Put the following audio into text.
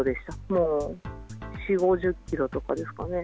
もう、４、５０キロとかですかね。